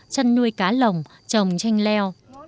chăn nuôi cá lồng trồng chanh leo